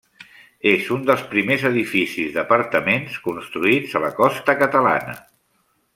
És un dels primers edificis d'apartaments construïts a la costa catalana.